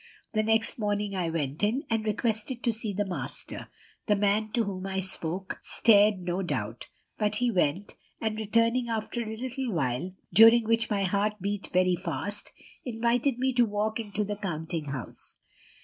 The next morning I went in, and requested to see the master. The man to whom I spoke stared, no doubt; but he went, and returning after a little while, during which my heart beat very fast, invited me to walk into the counting house.